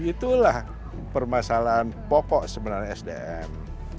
itulah permasalahan pokok sebenarnya sdm